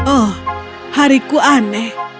oh hariku aneh